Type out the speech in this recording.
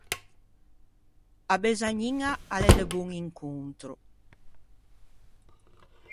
A besagniña a l’é de bon incontro.